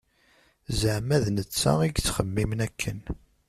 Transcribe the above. Zeɛma d netta i yettxemmimen akken.